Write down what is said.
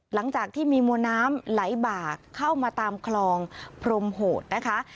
หลังจากที่มีมวลน้ำไหลบากเข้ามาตามคลองพรมโหดนะคะ